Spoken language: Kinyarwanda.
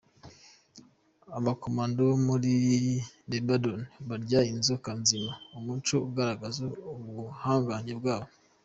Abakomando bo muri Lebanon barya inzoka nzima, umuco ugaraza ubuhangange bwabo.